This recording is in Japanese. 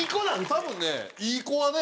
多分ねいい子はね